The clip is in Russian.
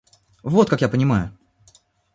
Вот как я понимаю.